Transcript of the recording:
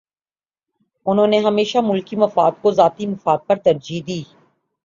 انہوں نے ہمیشہ ملکی مفاد کو ذاتی مفاد پر ترجیح دی